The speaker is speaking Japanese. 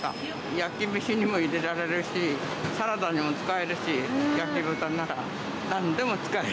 焼きめしにも入れられるし、サラダにも使えるし、焼き豚ならなんでも使える。